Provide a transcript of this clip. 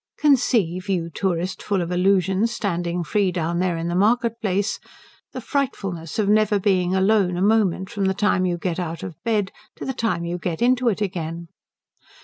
Conceive, you tourist full of illusions standing free down there in the market place, the frightfulness of never being alone a moment from the time you get out of bed to the time you get into it again.